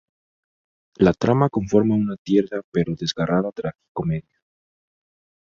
La trama conforma una tierna pero desgarrada tragicomedia.